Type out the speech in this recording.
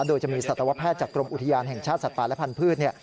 โดยจะมีสัตวแพทย์จากกรมอุทยานแห่งชาติสัตว์ป่าและพันธุ์